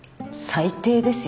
最低です。